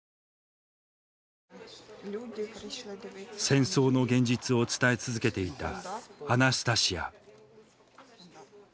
戦争の現実を伝え続けていたアナスタシヤ。